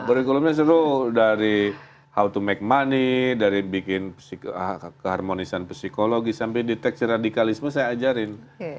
kurikulumnya seru dari how to make money dari bikin keharmonisan psikologi sampai deteksi radikalisme saya ajarin